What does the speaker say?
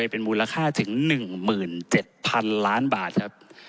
เป็นมูลค่าถึง๑๗๐๐๐ล้านบาทครับ